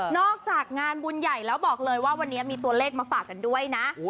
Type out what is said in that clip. จากงานบุญใหญ่แล้วบอกเลยว่าวันนี้มีตัวเลขมาฝากกันด้วยนะ